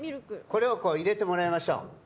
これを入れてもらいましょう。